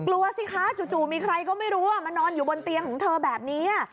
กลัวสิคะจู่มีใครก็ไม่รู้มานอนอยู่บนเตียงของเธอแบบนี้